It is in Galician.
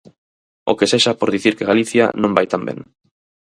O que sexa por dicir que Galicia non vai tan ben.